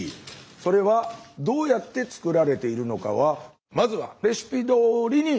それはどうやって作られているのかはまずはすごい揺れてる。